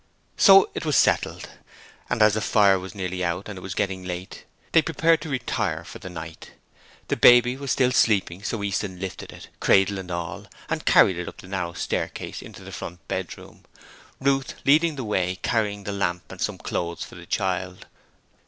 So it was settled; and as the fire was nearly out and it was getting late, they prepared to retire for the night. The baby was still sleeping so Easton lifted it, cradle and all, and carried it up the narrow staircase into the front bedroom, Ruth leading the way, carrying the lamp and some clothes for the child.